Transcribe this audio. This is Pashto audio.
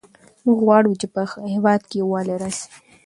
موږ غواړو چې په هېواد کې یووالی راسي.